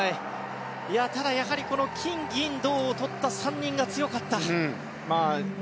ただ、やはり金銀銅を取った３人が強かった。